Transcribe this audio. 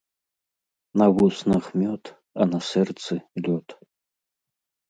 На вуснах — мёд, а на сэрцы — лёд